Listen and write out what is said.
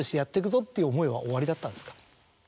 思いはおありだったんですか？